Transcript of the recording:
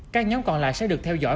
các nhóm còn lại sẽ được theo dõi